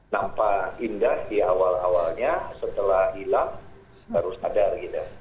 nampak indah ya awal awalnya setelah hilang harus ada lagi dah